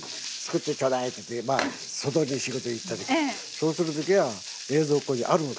そうする時は冷蔵庫にあるもの。